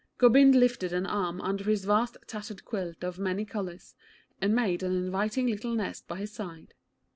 Gobind lifted an arm under his vast tattered quilt of many colours, and made an inviting little nest by his side.